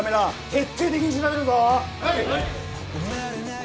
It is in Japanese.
徹底的に調べるぞはい！